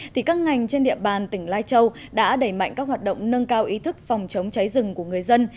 thì các ngành trên địa bàn tỉnh lai châu đã đẩy mạnh các hoạt động nâng cao ý thức phòng chống cháy rừng của người dân